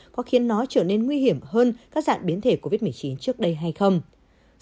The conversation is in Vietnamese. có khiến nó trở nên nguy hiểm hơn các dạng biến thể covid một mươi chín trước đây hay không